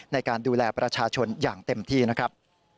ในการดูแลประชาชนอย่างเต็มที่นะครับ